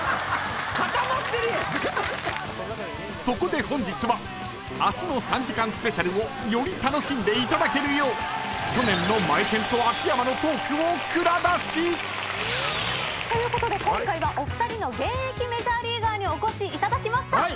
［そこで本日は明日の３時間スペシャルをより楽しんでいただけるよう去年のマエケンと秋山のトークを蔵出し！］ということで今回はお二人の現役メジャーリーガーにお越しいただきました。